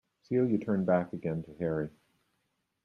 Celia turned back again to Harry.